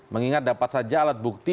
mengingat dapat saja alat bukti